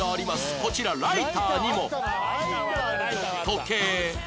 こちらライターにも時計